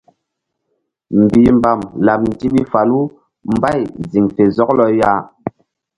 Mbihmbam laɓ ndiɓi falu mbay ziŋ fe zɔklɔ ya.